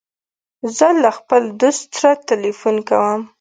زه له خپل دوست سره تلیفون کوم.